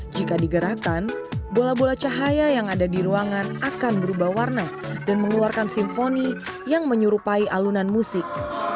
jika digerakkan bola bola cahaya yang ada di ruangan akan berubah warna dan mengeluarkan simfoni yang menyerupai alunan musik